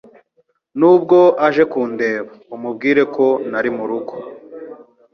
Nubwo aje kundeba, umubwire ko ntari murugo.